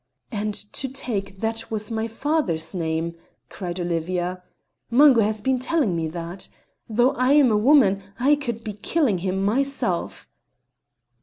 "And to take what was my father's name!" cried Olivia; "Mungo has been telling me that. Though I am a woman, I could be killing him myself."